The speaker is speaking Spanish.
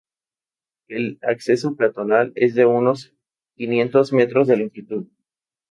El acceso peatonal es de unos quinientos m de longitud.